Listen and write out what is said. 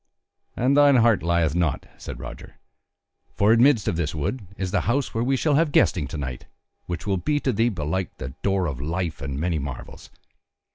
"And thine heart lieth not," said Roger, "for amidst of this wood is the house where we shall have guesting to night, which will be to thee, belike, the door of life and many marvels.